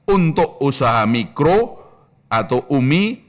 untuk usaha mikro atau umi